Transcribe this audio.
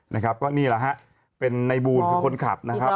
นะครับก็นี่แหละฮะเป็นในบูลคือคนขับนะครับ